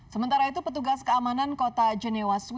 sementara itu petugas keamanan kota jenewas